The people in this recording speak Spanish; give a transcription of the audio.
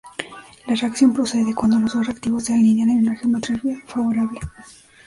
La reacción procede cuando los dos reactivos se alinean en una geometría favorable.